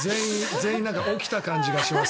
全員起きた感じがします。